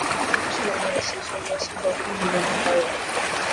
আমি তো সন্ন্যাসী, সন্ন্যাসী কখনও বিবাহ করে না।